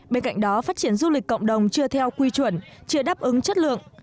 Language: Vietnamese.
bên cạnh đó phát triển du lịch cộng đồng chưa theo quy chuẩn chưa đáp ứng chất lượng